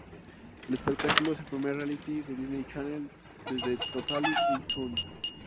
El espectáculo es el primer reality de Disney Channel, desde "Totally in Tune".